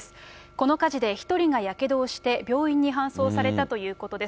この火事で１人がやけどをして、病院に搬送されたということです。